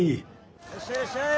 いらっしゃいいらっしゃい！